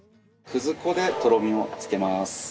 くず粉でとろみをつけます。